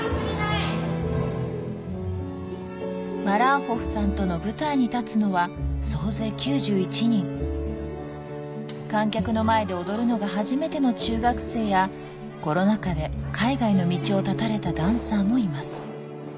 マラーホフさんとの舞台に立つのは総勢９１人観客の前で踊るのが初めての中学生やコロナ禍で海外の道を断たれたダンサーもいます